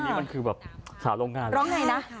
มันคือแบบหาโรงงาน